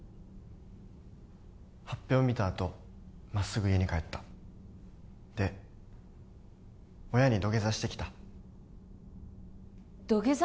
発表見たあとまっすぐ家に帰ったで親に土下座してきた土下座！？